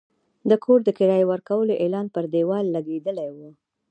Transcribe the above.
د کور د کرایې ورکولو اعلان پر دېوال لګېدلی و.